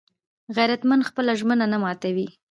غیرتمند خپله ژمنه نه ماتوي